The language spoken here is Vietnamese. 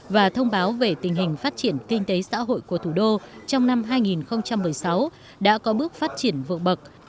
và thông báo về tình hình phát triển kinh tế xã hội của thủ đô trong năm hai nghìn một mươi sáu đã có bước phát triển vượt bậc